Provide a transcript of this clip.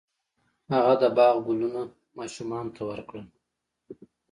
هغه د باغ ګلونه ماشومانو ته ورکړل.